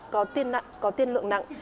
có tiên nặng có tiên lượng nặng